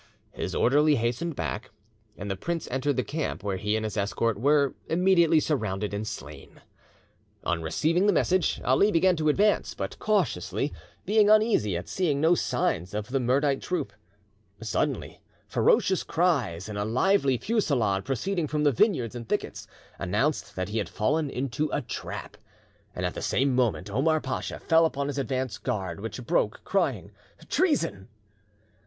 His orderly hastened back, and the prince entered the camp, where he and his escort were immediately surrounded and slain. On receiving the message, Ali began to advance, but cautiously, being uneasy at seeing no signs of the Mirdite troop. Suddenly, furious cries, and a lively fusillade, proceeding from the vineyards and thickets, announced that he had fallen into a trap, and at the same moment Omar Pacha fell upon his advance guard, which broke, crying "Treason!".